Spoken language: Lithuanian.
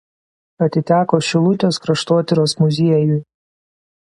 Atiteko Šilutės Kraštotyros muziejui.